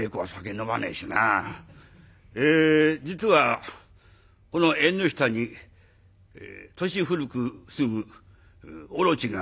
『え実はこの縁の下に年古く住むオロチが出てきて』。